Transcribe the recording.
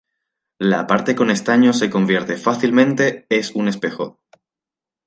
La parte con estaño se convierte fácilmente es un espejo.